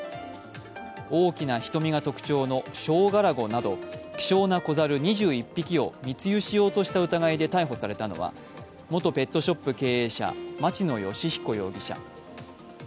大きな瞳が特徴のショウガラゴなど、希少な子猿２１匹を密輸しようとした疑いで逮捕されたのは元ペットショップ経営者・町野義彦容疑者。